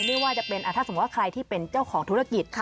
ถ้าสมมุติว่าใครที่เป็นเจ้าของธุรกิจ